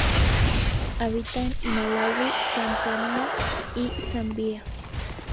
Habita en Malaui, Tanzania y Zambia.